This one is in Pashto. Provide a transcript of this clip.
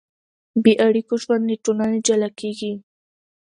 بېاړیکو ژوند له ټولنې جلا کېږي.